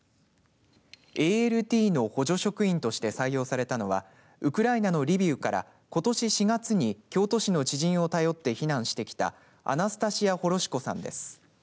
ＡＬＴの補助職員として採用されたのはウクライナのリビウからことし４月に京都市の知人を頼って避難してきたアナスタシア・ホロシコさんです。